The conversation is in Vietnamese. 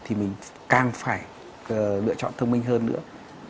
thì mình càng phải lựa chọn thông minh hơn nữa